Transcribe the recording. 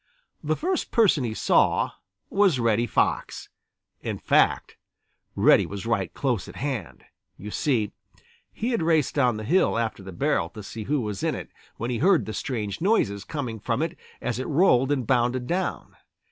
The first person he saw was Reddy Fox. In fact, Reddy was right close at hand. You see, he had raced down the hill after the barrel to see who was in it when he heard the strange noises coming from it as it rolled and bounded down.